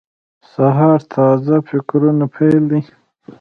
سهار د تازه فکرونو پیل دی.